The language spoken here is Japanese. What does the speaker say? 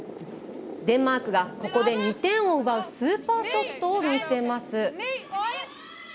デンマークがここで２点を奪うスーパーショットを見せます。